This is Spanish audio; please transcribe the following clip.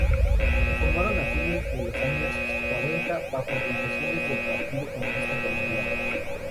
Se formaron a fines de los años cuarenta bajo orientaciones del partido comunista colombiano.